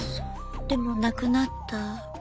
でもなくなった？